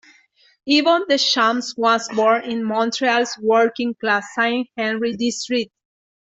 Yvon Deschamps was born in Montreal's working-class Saint-Henri district.